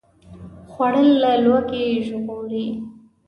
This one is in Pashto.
خوړل له لوږې وژغوري